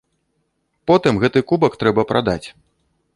Потым гэты кубак трэба прадаць.